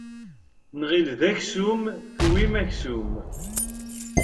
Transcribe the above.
Nɣil d aksum tewwim aksum.